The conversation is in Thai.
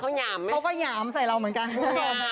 เขาก็ย่ำใส่เราเหมือนกันคุณผู้ชม